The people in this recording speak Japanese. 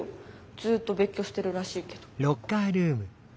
ずっと別居してるらしいけど。